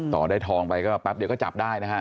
ต่อได้ทองไปก็แป๊บเดียวก็จับได้นะฮะ